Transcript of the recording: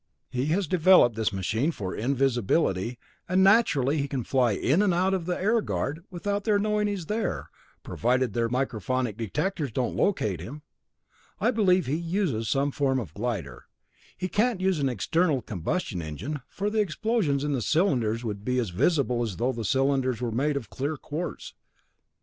"He has developed this machine for invisibility, and naturally he can fly in and out of the air guard, without their knowing he's there, provided their microphonic detectors don't locate him. I believe he uses some form of glider. He can't use an internal combustion engine, for the explosions in the cylinders would be as visible as though the cylinders were made of clear quartz.